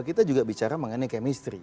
kita juga bicara mengenai chemistry